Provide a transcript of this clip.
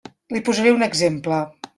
Li posaré un exemple.